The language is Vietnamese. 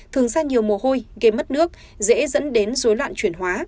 thường ra nhiều mồ hôi gây mất nước dễ dẫn đến rối loạn chuyển hóa